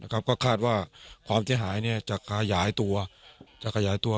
ก็คาดว่าความที่หายจะขยายตัว